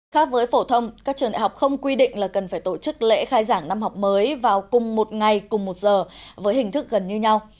khác với phổ thông các trường đại học không quy định là cần phải tổ chức lễ khai giảng năm học mới vào cùng một ngày cùng một giờ với hình thức gần như nhau